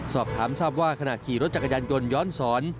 สอบถามทราบว่าขณะขี่รถจักรยานยนต์ย้อนสอน